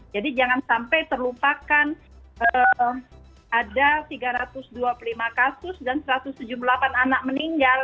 jadi jangan sampai terlupakan ada tiga ratus dua puluh lima kasus dan satu ratus tujuh puluh delapan anak meninggal